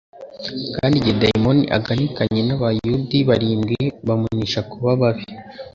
kandi igihe dayimoni' aganikanye n'abaudi barindwi bamunisha kuba babi,